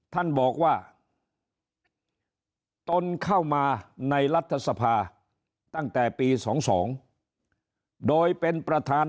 ท่านบอกว่าตนเข้ามาในรัฐสภาตั้งแต่ปี๒๒โดยเป็นประธาน